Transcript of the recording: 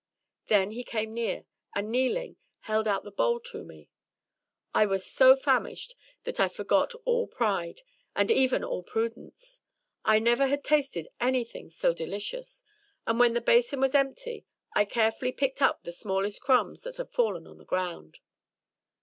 Then he came near, and kneeling, held out the bowl to me. I was so famished that I forgot all pride, and even all prudence. I never had tasted anything so delicious; and when the basin was empty I carefully picked up the smallest crumbs that had fallen on the ground.